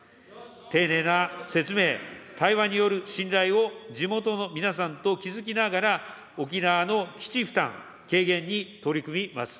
丁寧な説明、対話による信頼を地元の皆さんと築きながら、沖縄の基地負担軽減に取り組みます。